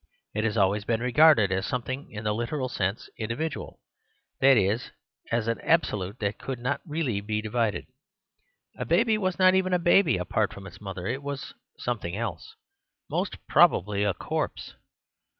It has always been regarded as something in the literal sense individual ; that is, as an absolute that could not really be di vided. A baby was not even a baby apart from its mother ; it was something else, most probably a corpse.